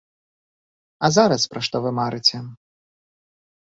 А зараз пра што вы марыце?